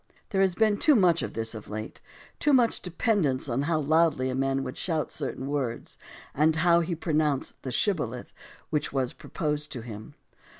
There has been too much of this of late, too much dependence on how loudly a man could shout certain words and how he pronounced the "Shibboleth" which was proposed to him.